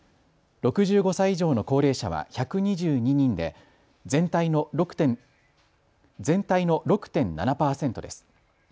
６５歳以上の高齢者は１２２人で全体の６．７％です。